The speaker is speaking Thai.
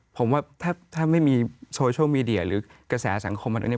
ผมว่าถ้าไม่มีโซเชียลมีเดียหรือกระแสสังคมมาตรงนี้